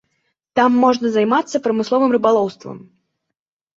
Там можна займацца прамысловым рыбалоўствам.